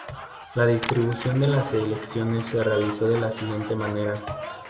La distribución de las selecciones se realizó de la siguiente manera.